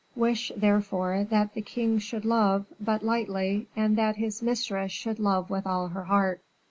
Wish, therefore, that the king should love but lightly, and that his mistress should love with all her heart."